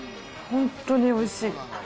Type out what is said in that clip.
本当においしい。